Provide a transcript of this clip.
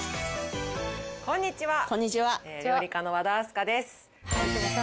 こんにちは。